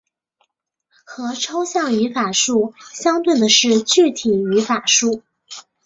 和抽象语法树相对的是具体语法树。